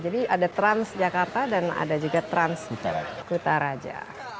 jadi ada transjakarta dan ada juga transkutaraja